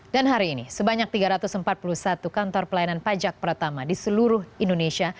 dan hari ini sebanyak tiga ratus empat puluh satu kantor pelayanan pajak pertama di seluruh indonesia